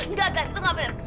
nggak kan tuh nggak bener